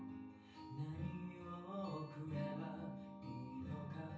なにを贈ればいいのか